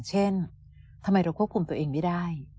เช่นทำไมเราควบคุมตัวเองไม่ได้